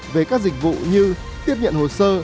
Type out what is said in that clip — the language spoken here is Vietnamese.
về các dịch vụ như tiếp nhận hồ sơ